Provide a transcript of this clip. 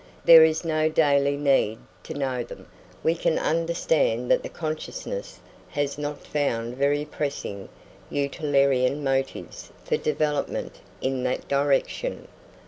There is no daily need to know them, and we can understand that the consciousness has not found very pressing utilitarian motives for development in that direction.